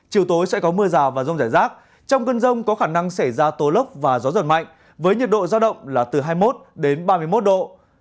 chiều tối sẽ có mưa rào và rông rải rác trong cơn rông có khả năng xảy ra tố lốc và gió giật mạnh với nhiệt độ giao động là từ hai mươi một đến ba mươi một độ